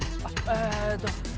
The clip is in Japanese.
えーっと。